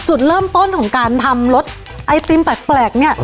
จุดเริ่มต้นของการทำรสไอติมแปลกเนี่ย